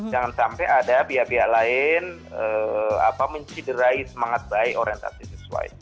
jangan sampai ada biar biar lain apa menciderai semangat baik orientasi siswa